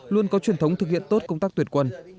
luôn có truyền thống thực hiện tốt công tác tuyển quân